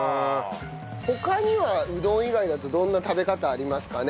他にはうどん以外だとどんな食べ方ありますかね？